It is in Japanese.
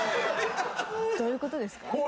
どういうことですか？